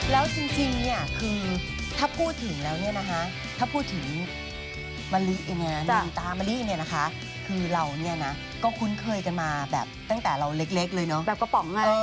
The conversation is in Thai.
แล้วจริงถ้าพูดถึงมะลิตามะลิคือเราก็คุ้นเคยกันมาตั้งแต่เราเล็กเลยเนาะ